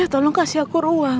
tolong kasih aku ruang